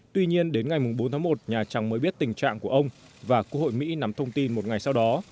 tuy nhiên đến ngày bốn tháng một nhà trắng mới biết tình trạng của ông và quốc hội mỹ nắm thông tin một ngày sau đó